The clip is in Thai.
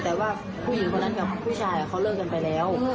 แต่ว่าผู้หญิงคนนั้นกับผู้ชายเขาเลิกกันไปแล้ว